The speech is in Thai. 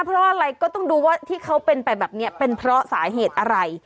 เพราะอะไรก็ต้องดูว่าที่เขาเป็นไปแบบนี้เป็นเพราะสาเหตุอะไร